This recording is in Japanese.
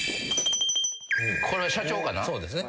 これは社長かな。